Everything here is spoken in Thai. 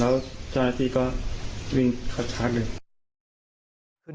แล้วเจ้าหน้าที่ก็วิ่งชัดเลย